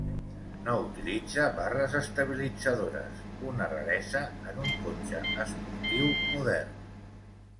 No utilitza barres estabilitzadores, una raresa en un cotxe esportiu modern.